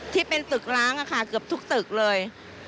ที่เป็นตึกล้างเกือบทุกตึกเลย